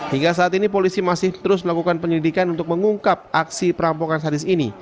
hingga saat ini polisi masih terus melakukan penyelidikan untuk mengungkap aksi perampokan sadis ini